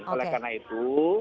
oleh karena itu